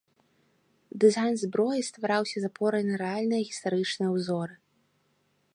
Дызайн зброі ствараўся з апорай на рэальныя гістарычныя ўзоры.